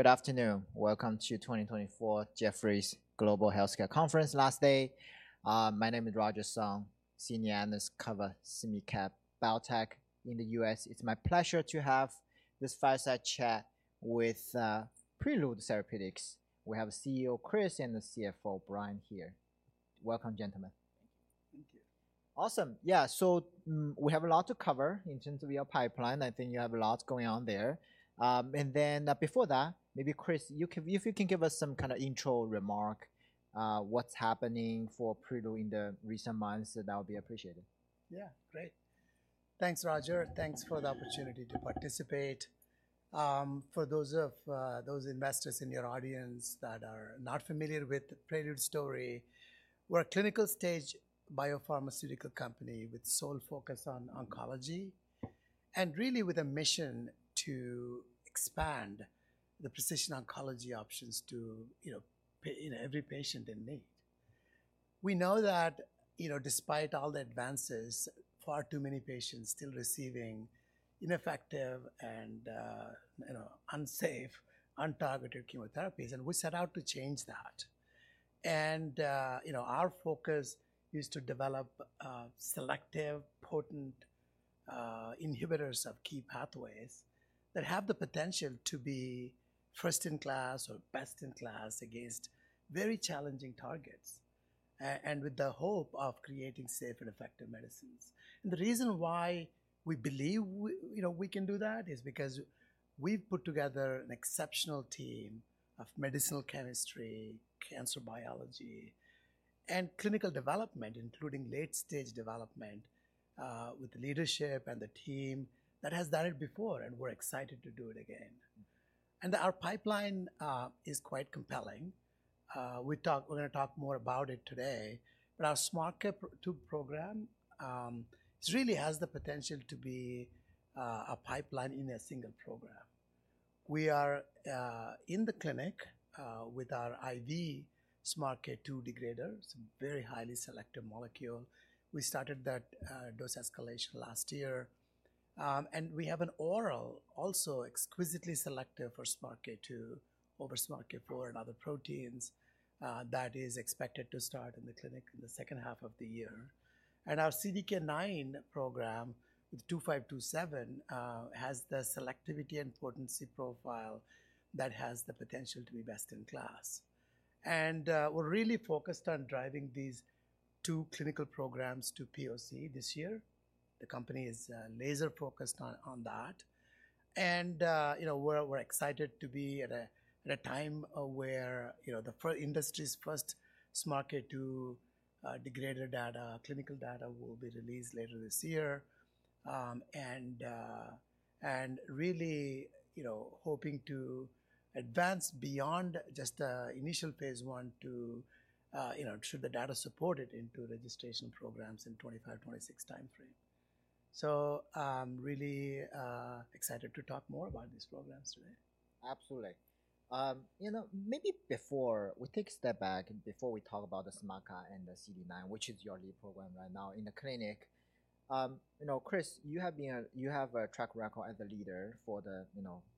Good afternoon. Welcome to 2024 Jefferies Global Healthcare Conference. Last day, my name is Roger Song, Senior Analyst covering SMID Cap Biotech in the US. It's my pleasure to have this fireside chat with Prelude Therapeutics. We have CEO Kris and CFO Bryant here. Welcome, gentlemen. Thank you. Awesome. Yeah. So we have a lot to cover in terms of your pipeline. I think you have a lot going on there. And then before that, maybe Kris, if you can give us some kind of intro remark, what's happening for Prelude in the recent months, that would be appreciated. Yeah, great. Thanks, Roger. Thanks for the opportunity to participate. For those investors in your audience that are not familiar with Prelude story, we're a clinical stage biopharmaceutical company with sole focus on oncology and really with a mission to expand the precision oncology options to every patient in need. We know that despite all the advances, far too many patients are still receiving ineffective and unsafe, untargeted chemotherapies. And our focus is to develop selective, potent inhibitors of key pathways that have the potential to be first in class or best in class against very challenging targets, and with the hope of creating safe and effective medicines. And the reason why we believe we can do that is because we've put together an exceptional team of medicinal chemistry, cancer biology, and clinical development, including late stage development, with the leadership and the team that has done it before. And we're excited to do it again. And our pipeline is quite compelling. We're going to talk more about it today. But our SMARCA2 program really has the potential to be a pipeline in a single program. We are in the clinic with our IV SMARCA2 degrader, very highly selective molecule. We started that dose escalation last year. And we have an oral also exquisitely selective for SMARCA2 over SMARCA4 and other proteins that is expected to start in the clinic in the second half of the year. And our CDK9 program with 2527 has the selectivity and potency profile that has the potential to be best in class. We're really focused on driving these two clinical programs to POC this year. The company is laser focused on that. We're excited to be at a time where the industry's first SMARCA2 degrader data, clinical data, will be released later this year. Really hoping to advance beyond just the initial phase one should the data support into registration programs in 2025, 2026 timeframe. So really excited to talk more about these programs today. Absolutely. Maybe before we take a step back and before we talk about the SMARCA2 and the CDK9, which is your lead program right now in the clinic, Kris, you have a track record as a leader for the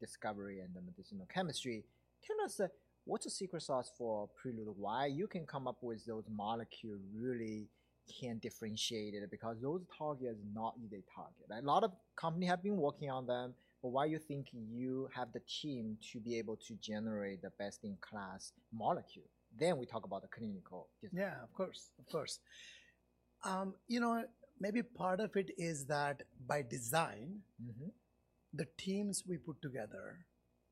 discovery and the medicinal chemistry. Tell us what's the secret sauce for Prelude, why you can come up with those molecules really can differentiate it because those targets are not easy targets. A lot of companies have been working on them, but why do you think you have the team to be able to generate the best-in-class molecule? Then we talk about the clinical. Yeah, of course. Of course. Maybe part of it is that by design, the teams we put together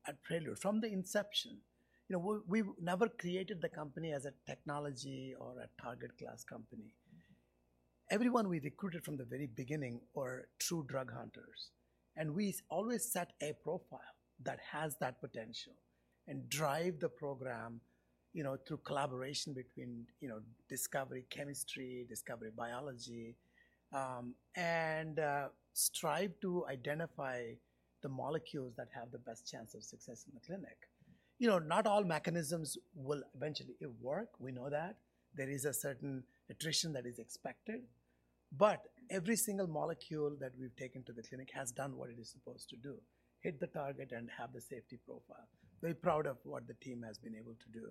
at Prelude, from the inception, we never created the company as a technology or a target class company. Everyone we recruited from the very beginning were true drug hunters. We always set a profile that has that potential and drive the program through collaboration between discovery chemistry, discovery biology, and strive to identify the molecules that have the best chance of success in the clinic. Not all mechanisms will eventually work. We know that. There is a certain attrition that is expected. But every single molecule that we've taken to the clinic has done what it is supposed to do, hit the target and have the safety profile. Very proud of what the team has been able to do.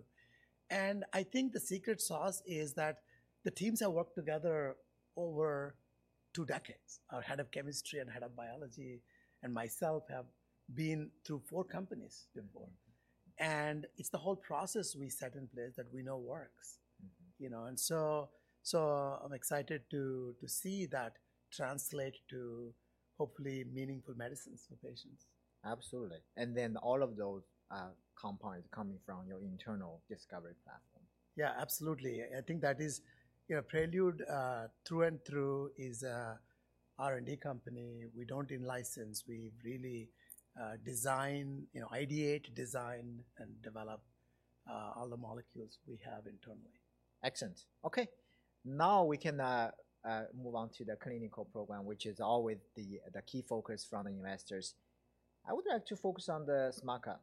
I think the secret sauce is that the teams have worked together over two decades. Our head of chemistry and head of biology and myself have been through four companies before. It's the whole process we set in place that we know works. So I'm excited to see that translate to hopefully meaningful medicines for patients. Absolutely. And then all of those components coming from your internal discovery platform. Yeah, absolutely. I think that is Prelude through and through is an R&D company. We don't need license. We really design, ideate, design, and develop all the molecules we have internally. Excellent. Okay. Now we can move on to the clinical program, which is always the key focus from the investors. I would like to focus on the SMARCA2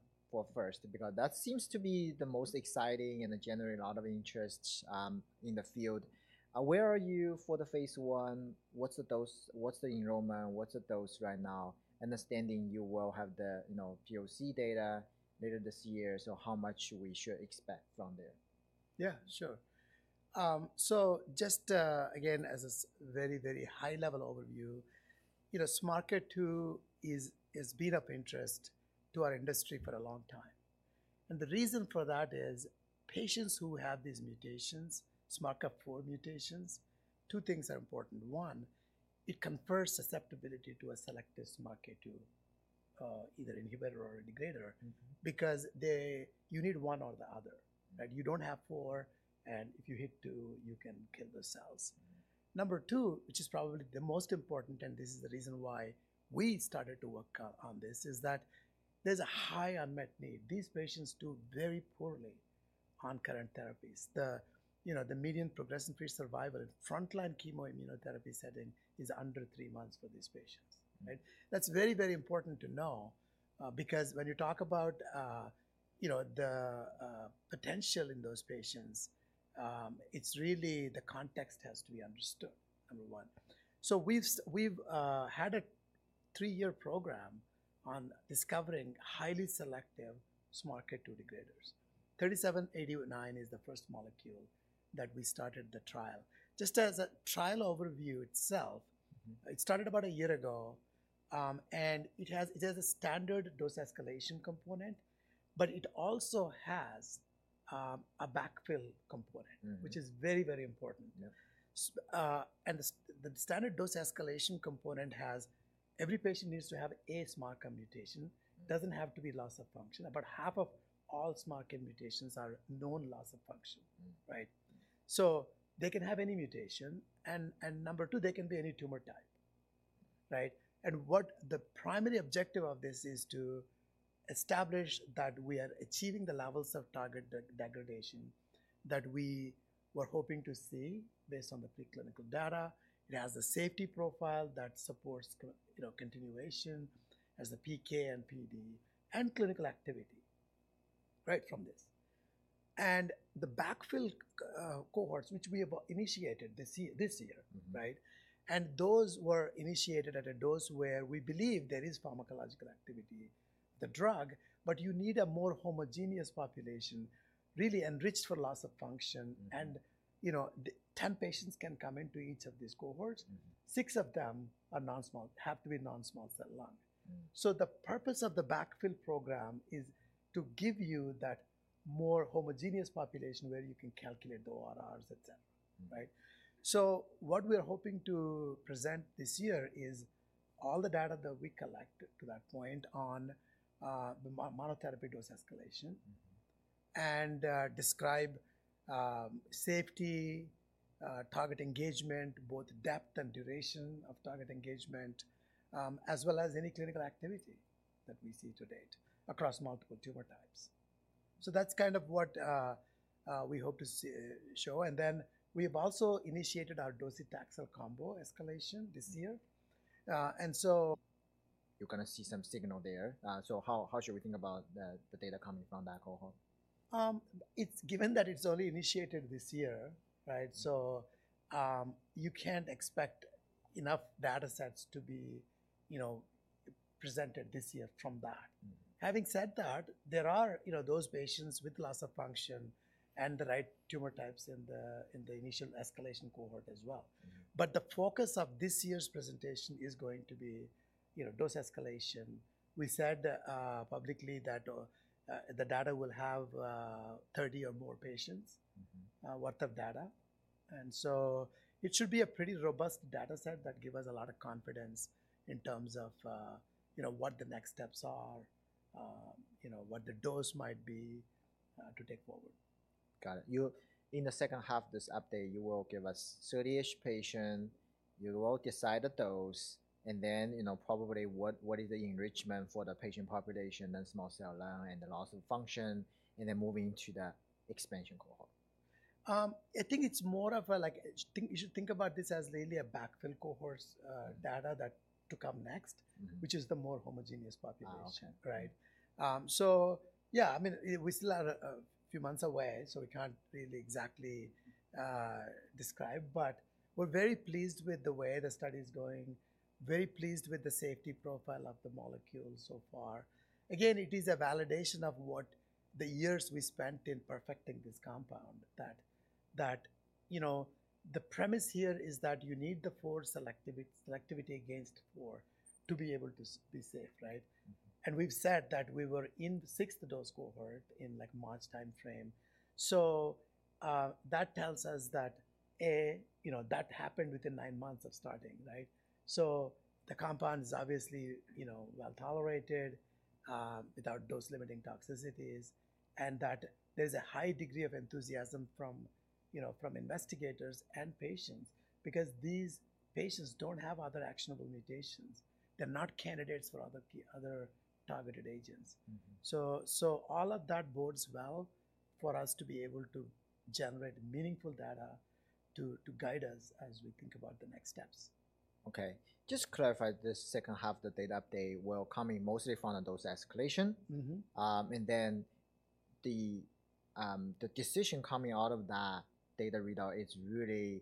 first because that seems to be the most exciting and generate a lot of interest in the field. Where are you for the phase 1? What's the enrollment? What's the dose right now? Understanding you will have the POC data later this year. So how much we should expect from there? Yeah, sure. So just again, as a very, very high level overview, SMARCA2 has been of interest to our industry for a long time. And the reason for that is patients who have these mutations, SMARCA4 mutations, two things are important. One, it confers susceptibility to a selective SMARCA2, either inhibitor or degrader, because you need one or the other. You don't have four. And if you hit two, you can kill the cells. Number two, which is probably the most important, and this is the reason why we started to work on this, is that there's a high unmet need. These patients do very poorly on current therapies. The median progression-free survival in frontline chemoimmunotherapy setting is under three months for these patients. That's very, very important to know because when you talk about the potential in those patients, it's really the context has to be understood, number one. So we've had a 3-year program on discovering highly selective SMARCA2 degraders. 3789 is the first molecule that we started the trial. Just as a trial overview itself, it started about a year ago. And it has a standard dose escalation component, but it also has a backfill component, which is very, very important. And the standard dose escalation component has every patient needs to have a SMARCA2 mutation. It doesn't have to be loss of function. About half of all SMARCA2 mutations are known loss of function. So they can have any mutation. And number two, they can be any tumor type. And the primary objective of this is to establish that we are achieving the levels of target degradation that we were hoping to see based on the preclinical data. It has a safety profile that supports continuation as the PK and PD and clinical activity right from this. The backfill cohorts, which we initiated this year, and those were initiated at a dose where we believe there is pharmacological activity, the drug, but you need a more homogeneous population, really enriched for loss of function. 10 patients can come into each of these cohorts. Six of them are non-small, have to be non-small cell lung. The purpose of the backfill program is to give you that more homogeneous population where you can calculate the ORRs, et cetera. What we're hoping to present this year is all the data that we collect to that point on monotherapy dose escalation and describe safety, target engagement, both depth and duration of target engagement, as well as any clinical activity that we see to date across multiple tumor types. So that's kind of what we hope to show. Then we have also initiated our docetaxel combo escalation this year. And so. You're going to see some signal there. How should we think about the data coming from that cohort? Given that it's only initiated this year, so you can't expect enough datasets to be presented this year from that. Having said that, there are those patients with loss of function and the right tumor types in the initial escalation cohort as well. But the focus of this year's presentation is going to be dose escalation. We said publicly that the data will have 30 or more patients' worth of data. And so it should be a pretty robust dataset that gives us a lot of confidence in terms of what the next steps are, what the dose might be to take forward. Got it. In the second half of this update, you will give us 30-ish patients. You will decide the dose. And then probably what is the enrichment for the patient population and small cell lung and the loss of function, and then moving to the expansion cohort. I think it's more of a you should think about this as really a backfill cohort data that to come next, which is the more homogeneous population. So yeah, I mean, we still are a few months away, so we can't really exactly describe. But we're very pleased with the way the study is going, very pleased with the safety profile of the molecule so far. Again, it is a validation of what the years we spent in perfecting this compound that the premise here is that you need the SMARCA4 selectivity against SMARCA4 to be able to be safe. And we've said that we were in the sixth dose cohort in March timeframe. So that tells us that, A, that happened within nine months of starting. So the compound is obviously well tolerated without dose-limiting toxicities. That there's a high degree of enthusiasm from investigators and patients because these patients don't have other actionable mutations. They're not candidates for other targeted agents. All of that bodes well for us to be able to generate meaningful data to guide us as we think about the next steps. Okay. Just clarify this second half of the data update will come in mostly from the dose escalation. And then the decision coming out of that data readout is really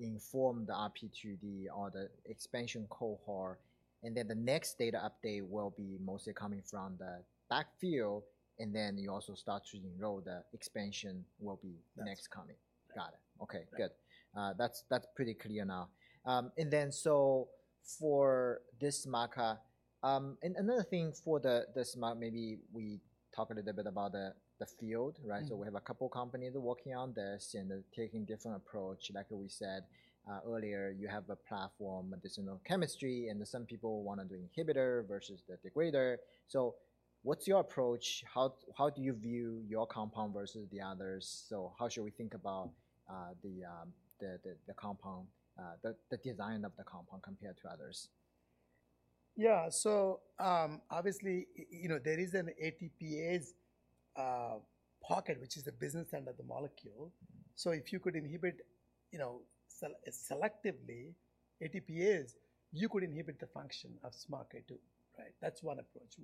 inform the RP2D or the expansion cohort. And then the next data update will be mostly coming from the backfill. And then you also start to enroll the expansion will be next coming. Got it. Okay. Good. That's pretty clear now. And then so for this SMARCA2, another thing for the SMARCA2, maybe we talk a little bit about the field. So we have a couple of companies working on this and taking different approach. Like we said earlier, you have a platform, medicinal chemistry, and some people want to do inhibitor versus the degrader. So what's your approach? How do you view your compound versus the others? How should we think about the compound, the design of the compound compared to others? Yeah. So obviously, there is an ATPase pocket, which is the business end of the molecule. So if you could inhibit selectively ATPase, you could inhibit the function of SMARCA2. That's one approach.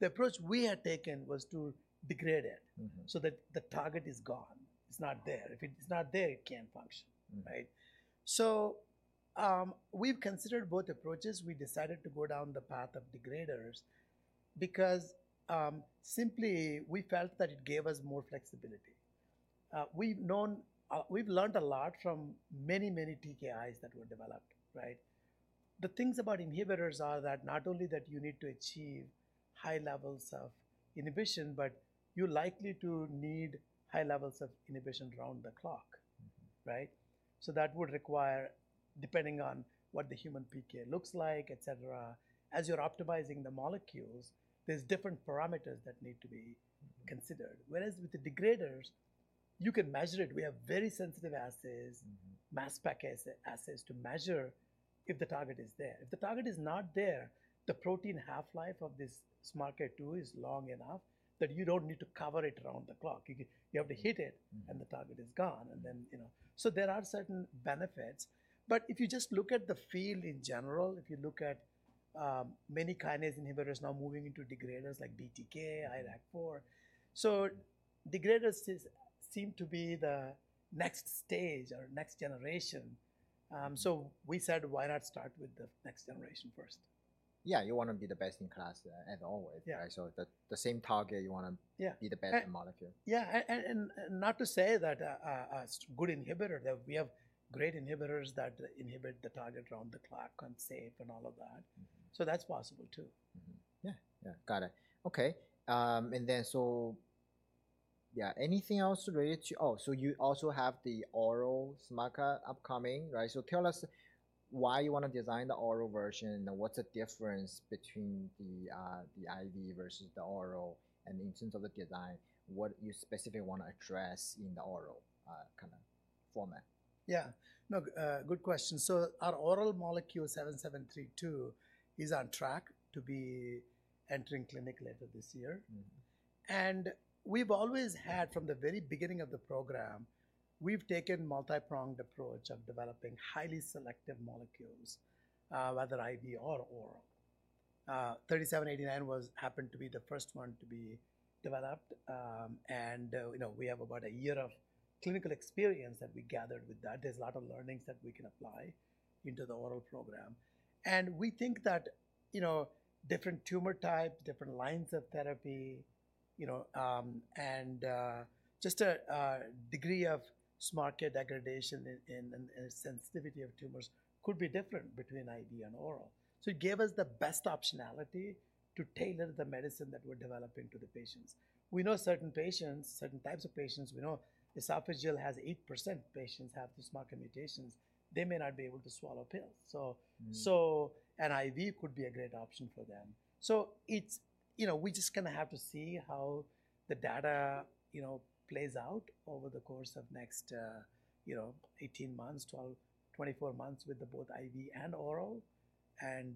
The approach we had taken was to degrade it so that the target is gone. It's not there. If it's not there, it can't function. So we've considered both approaches. We decided to go down the path of degraders because simply we felt that it gave us more flexibility. We've learned a lot from many, many TKIs that were developed. The things about inhibitors are that not only that you need to achieve high levels of inhibition, but you're likely to need high levels of inhibition around the clock. So that would require, depending on what the human PK looks like, et cetera, as you're optimizing the molecules, there's different parameters that need to be considered. Whereas with the degraders, you can measure it. We have very sensitive assays, mass spec assays to measure if the target is there. If the target is not there, the protein half-life of this SMARCA2 is long enough that you don't need to cover it around the clock. You have to hit it and the target is gone. So there are certain benefits. But if you just look at the field in general, if you look at many kinase inhibitors now moving into degraders like BTK, IRAK4, so degraders seem to be the next stage or next generation. So we said, why not start with the next generation first? Yeah, you want to be the best in class as always. So the same target, you want to be the best in molecule. Yeah. Not to say that a good inhibitor, that we have great inhibitors that inhibit the target around the clock and safe and all of that. That's possible too. Yeah. Yeah. Got it. Okay. And then so, yeah, anything else related to oh, so you also have the oral SMARCA2 upcoming. So tell us why you want to design the oral version and what's the difference between the IV versus the oral? And in terms of the design, what you specifically want to address in the oral kind of format? Yeah. No, good question. So our oral molecule 7732 is on track to be entering clinic later this year. And we've always had, from the very beginning of the program, we've taken multi-pronged approach of developing highly selective molecules, whether IV or oral. 3789 happened to be the first one to be developed. And we have about a year of clinical experience that we gathered with that. There's a lot of learnings that we can apply into the oral program. And we think that different tumor types, different lines of therapy, and just a degree of SMARCA2 degradation and sensitivity of tumors could be different between IV and oral. So it gave us the best optionality to tailor the medicine that we're developing to the patients. We know certain patients, certain types of patients, we know esophageal has 8% patients have the SMARCA2 mutations. They may not be able to swallow pills. So an IV could be a great option for them. So we just kind of have to see how the data plays out over the course of next 18 months, 24 months with both IV and oral and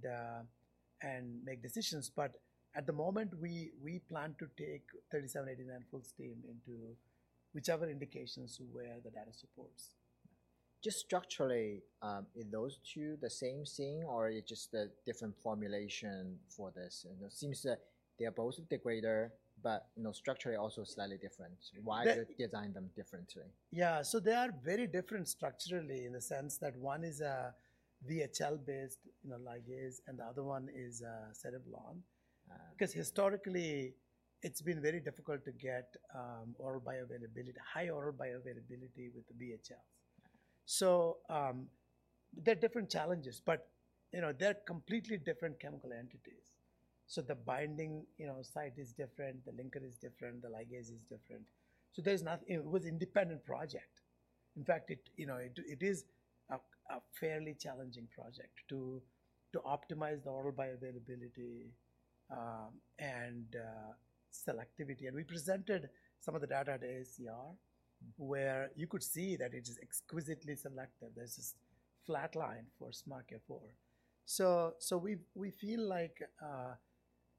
make decisions. But at the moment, we plan to take 3789 full steam into whichever indications where the data supports. Just structurally, in those two, the same thing, or it's just a different formulation for this? It seems that they are both degrader, but structurally also slightly different. Why did you design them differently? Yeah. So they are very different structurally in the sense that one is a VHL-based ligase and the other one is a Cereblon. Because historically, it's been very difficult to get high oral bioavailability with the VHLs. So there are different challenges, but they're completely different chemical entities. So the binding site is different. The linker is different. The ligase is different. So it was an independent project. In fact, it is a fairly challenging project to optimize the oral bioavailability and selectivity. And we presented some of the data at AACR where you could see that it is exquisitely selective. There's this flat line for SMARCA4. So we feel like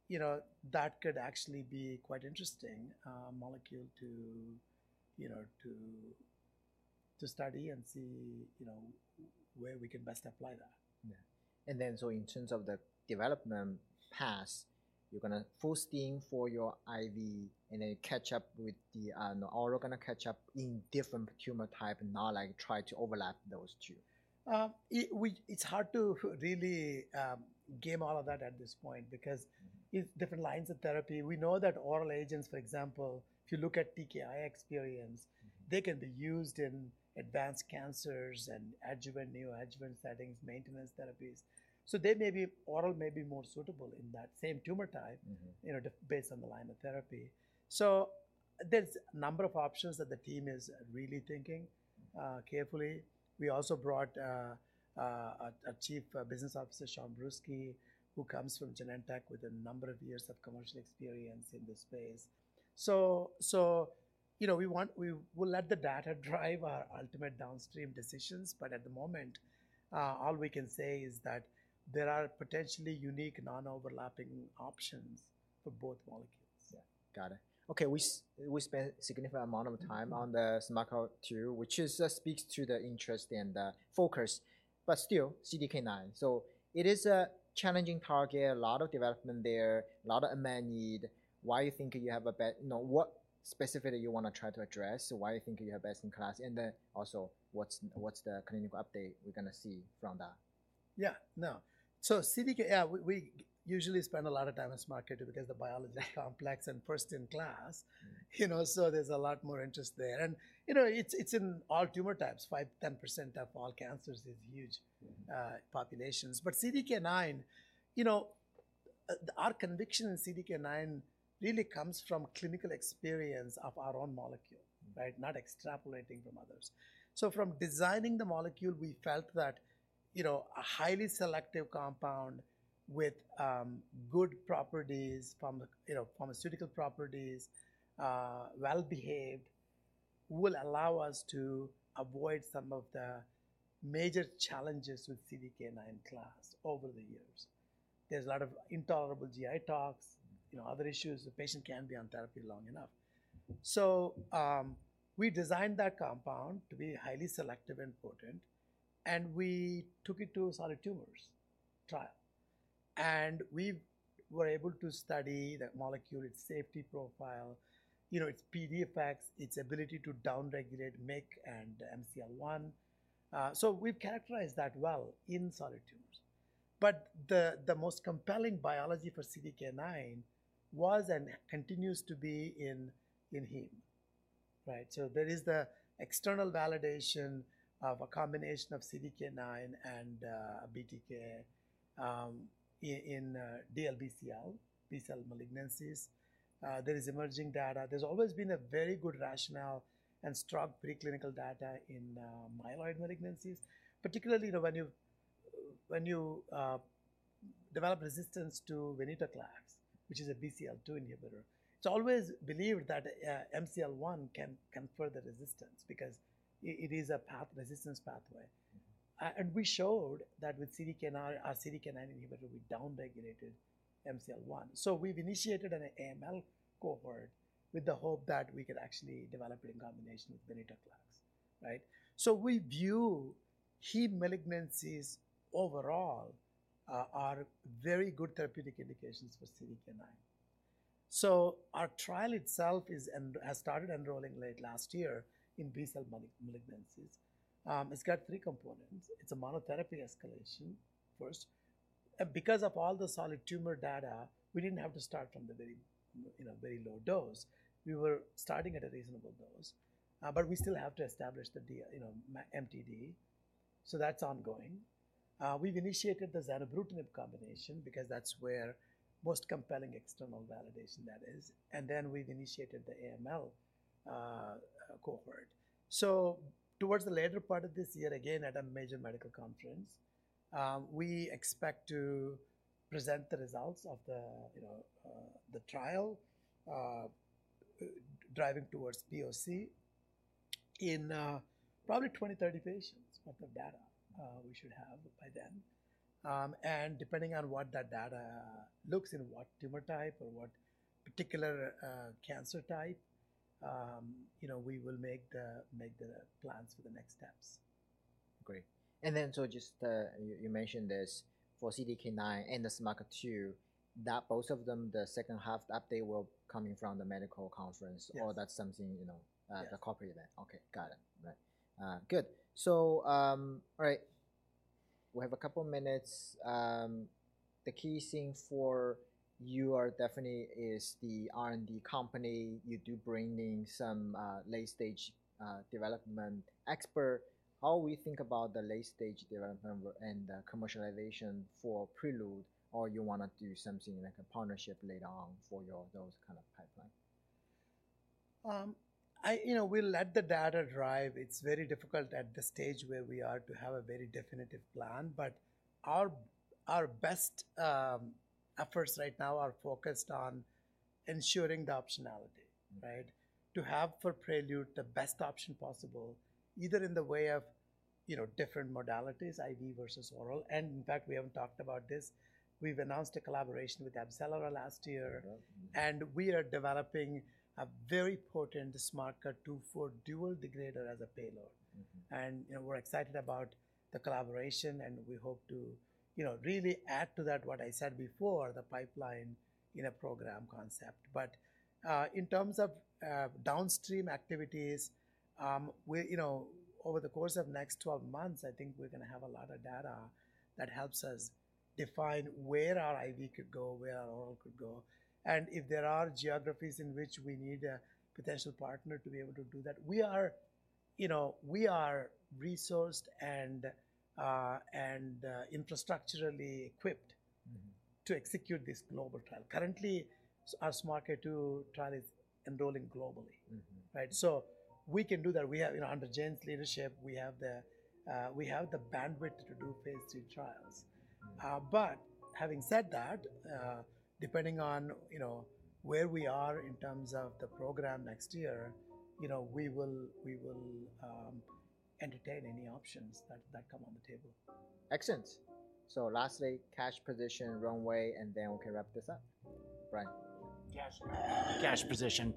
that could actually be quite interesting molecule to study and see where we can best apply that. Yeah. And then so in terms of the development paths, you're going to full steam for your IV and then catch up with the oral going to catch up in different tumor type, not try to overlap those two. It's hard to really game all of that at this point because it's different lines of therapy. We know that oral agents, for example, if you look at TKI experience, they can be used in advanced cancers and adjuvant, neoadjuvant settings, maintenance therapies. So oral may be more suitable in that same tumor type based on the line of therapy. So there's a number of options that the team is really thinking carefully. We also brought a Chief Business Officer, Sean Brusky, who comes from Genentech with a number of years of commercial experience in this space. So we will let the data drive our ultimate downstream decisions. But at the moment, all we can say is that there are potentially unique non-overlapping options for both molecules. Yeah. Got it. Okay. We spent a significant amount of time on the SMARCA2, which speaks to the interest and the focus. But still, CDK9. So it is a challenging target. A lot of development there, a lot of unmet need. Why do you think you have a better what specifically you want to try to address? Why do you think you have best in class? And then also what's the clinical update we're going to see from that? Yeah. No. So CDK, yeah, we usually spend a lot of time on SMARCA2 because the biology is complex and first in class. So there's a lot more interest there. And it's in all tumor types. 5%, 10% of all cancers is huge populations. But CDK9, our conviction in CDK9 really comes from clinical experience of our own molecule, not extrapolating from others. So from designing the molecule, we felt that a highly selective compound with good properties, pharmaceutical properties, well-behaved will allow us to avoid some of the major challenges with CDK9 class over the years. There's a lot of intolerable GI tox, other issues. The patient can't be on therapy long enough. So we designed that compound to be highly selective and potent. And we took it to solid tumors trial. We were able to study the molecule, its safety profile, its PD effects, its ability to downregulate MYC and MCL1. So we've characterized that well in solid tumors. But the most compelling biology for CDK9 was and continues to be in hem. So there is the external validation of a combination of CDK9 and BTK in DLBCL, B-cell malignancies. There is emerging data. There's always been a very good rationale and strong preclinical data in myeloid malignancies, particularly when you develop resistance to Venclexta, which is a BCL2 inhibitor. It's always believed that MCL1 can further resistance because it is a resistance pathway. And we showed that with CDK9, our CDK9 inhibitor, we downregulated MCL1. So we've initiated an AML cohort with the hope that we could actually develop it in combination with Venclexta. So we view hem malignancies overall are very good therapeutic indications for CDK9. So our trial itself has started enrolling late last year in BCL malignancies. It's got three components. It's a monotherapy escalation first. Because of all the solid tumor data, we didn't have to start from the very low dose. We were starting at a reasonable dose. But we still have to establish the MTD. So that's ongoing. We've initiated the zanubrutinib combination because that's where most compelling external validation that is. And then we've initiated the AML cohort. So towards the later part of this year, again, at a major medical conference, we expect to present the results of the trial driving towards POC in probably 20, 30 patients worth of data we should have by then. And depending on what that data looks in what tumor type or what particular cancer type, we will make the plans for the next steps. Great. And then, so just you mentioned this for CDK9 and the SMARCA2, both of them, the second half update will come in from the medical conference, or that's something that coordinated. Okay. Got it. Good. So all right. We have a couple of minutes. The key thing for you are definitely is the R&D company. You do bring in some late-stage development expert. How we think about the late-stage development and commercialization for Prelude, or you want to do something like a partnership later on for those kind of pipeline? We let the data drive. It's very difficult at the stage where we are to have a very definitive plan. But our best efforts right now are focused on ensuring the optionality to have for Prelude the best option possible, either in the way of different modalities, IV versus oral. And in fact, we haven't talked about this. We've announced a collaboration with AbCellera last year. And we are developing a very potent SMARCA2 degrader as a payload. And we're excited about the collaboration. And we hope to really add to that what I said before, the pipeline in a program concept. But in terms of downstream activities, over the course of next 12 months, I think we're going to have a lot of data that helps us define where our IV could go, where our oral could go. If there are geographies in which we need a potential partner to be able to do that, we are resourced and infrastructurally equipped to execute this global trial. Currently, our SMARCA2 trial is enrolling globally. We can do that. Under Jane's leadership, we have the bandwidth to do phase three trials. Having said that, depending on where we are in terms of the program next year, we will entertain any options that come on the table. Excellent. So lastly, cash position runway, and then we can wrap this up. Bryant. Cash position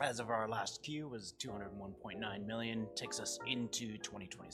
as of our last Q was $201.9 million. Takes us into 2020.